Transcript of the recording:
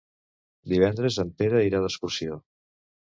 Divendres en Pere irà d'excursió.